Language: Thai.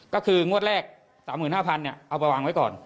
ก็คืองวดแรก๓๕๐๐เอาไปวางไว้ก่อน